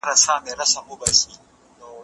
هغه څوک چي درس لولي بريالی کيږي؟!